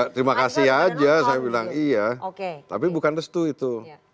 terima kasih aja saya bilang iya tapi bukan restu itu